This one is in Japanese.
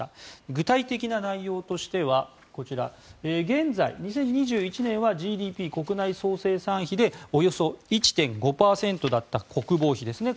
具体的な内容としてはこちら、現在２０２１年はＧＤＰ・国内総生産比でおよそ１．５％だった国防費ですね